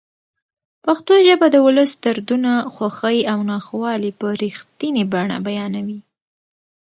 پښتو ژبه د ولس دردونه، خوښۍ او ناخوالې په رښتینې بڼه بیانوي.